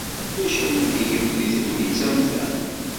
D acu ara tgemt deg tegnit am ta?